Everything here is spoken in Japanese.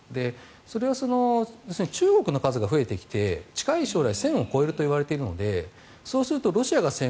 それは、中国の数が増えてきて近い将来、１０００を超えるといわれているのでそうするとロシアが１５５０